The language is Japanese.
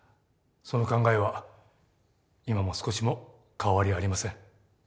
その考えは今も少しも変わりありません。